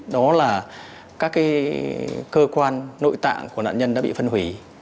đó là các cơ quan nội tạng của nạn nhân đã bị phân hủy